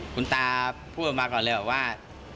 คุณตาพูดมาก่อนเลยแบบว่า